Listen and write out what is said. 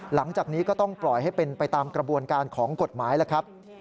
หลังจากนี้ก็ต้องปล่อยให้เป็นไปตามกระบวนการของกฎหมายแล้วครับ